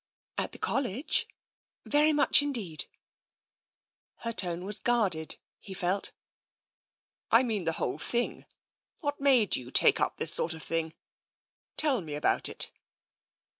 " At the College? Very much indeed." Her tone was guarded, he felt. " I mean the whole thing. What made you take up this sort of thing? Tell me about it."